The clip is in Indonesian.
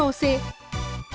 dan juga soeimah